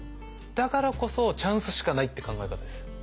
だからこそチャンスしかないって考え方です。